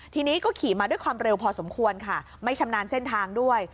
ทีนี้ก็ขี่มาด้วยความเร็วพอสมควรค่ะไม่ชำนาญเส้นทางด้วย